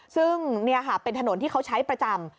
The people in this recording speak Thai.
ซึ่งนี่ค่ะเป็นถนนที่เขาใช้ประจำ